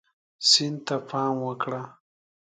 سیند ته پام وکړه.